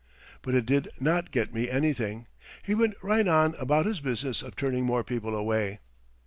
But it did not get me anything. He went right on about his business of turning more people away.